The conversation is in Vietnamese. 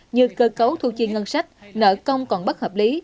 như cơ cấu thu chi ngân sách nợ công còn bất hợp lý